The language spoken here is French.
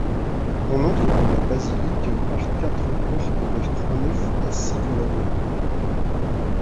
On entre dans la basilique par quatre portes vers trois nef à six colonnes.